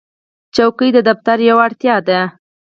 چوکۍ د دفتر یوه اړتیا ده.